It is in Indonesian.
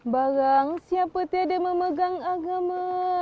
barang siapa tidak memegang agama